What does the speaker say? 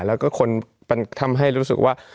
และมันทำให้รู้สึกว่า